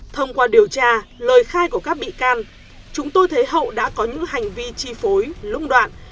thông qua điều tra lời khai của các bị can chúng tôi thấy hậu đã có những hành vi chi phối lũng đoạn